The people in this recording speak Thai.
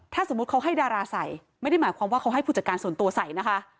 ถ้าสมมุติเขาให้ดาราใส่ไม่ได้หมายความว่าเขาให้ผู้จัดการส่วนตัวใส่นะคะ